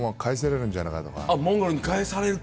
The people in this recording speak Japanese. モンゴルに帰されると。